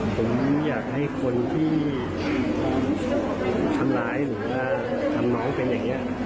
ผมอยากให้คนที่ทำร้ายหรือว่าทำน้องเป็นอย่างนี้